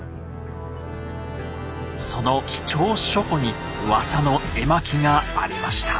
その貴重書庫にうわさの絵巻がありました。